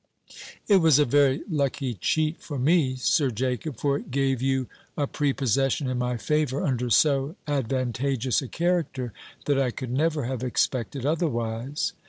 "It was a very lucky cheat for me, Sir Jacob; for it gave you a prepossession in my favour under so advantageous a character, that I could never have expected otherwise."